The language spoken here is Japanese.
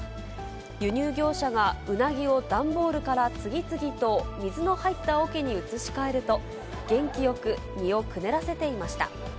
輸入業者がうなぎを段ボールから次々と水の入ったおけに移し替えると、元気よく身をくねらせていました。